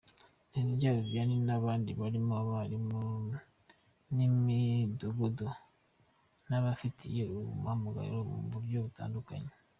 Nteziryayo Vianney n’abandi barimo abarimu b’imidugudu n’abafite umuhamagaro mu buryo butandukanye.